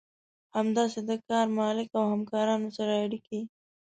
همداسې د کار مالک او همکارانو سره اړيکې.